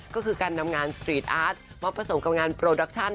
ก็คือการนำงานสตรีทอาร์ตมาผสมกับงานโปรดักชั่น